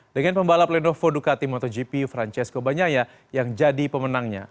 dengan pembalap lenovo ducati motogp francesco bagnaglia yang jadi pemenangnya